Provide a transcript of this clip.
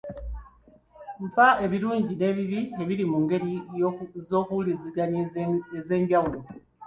Mpa ebirungi n'ebibi ebiri mu ngeri z'okuwuliziganyamu ez'enjawulo.